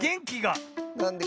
なんで？